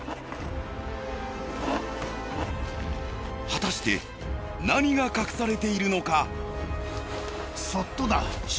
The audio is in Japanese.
果たして何が隠されているのか？